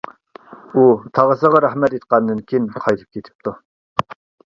ئۇ تاغىسىغا رەھمەت ئېيتقاندىن كېيىن قايتىپ كېتىپتۇ.